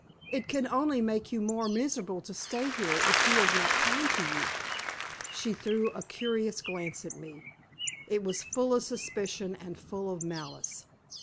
"It can only make you more miserable to stay here, if he is not kind to you." She threw a curious glance at me. It was full of suspicion and full of malice.